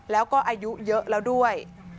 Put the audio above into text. แล้วก็อายุเยอะแล้วด้วย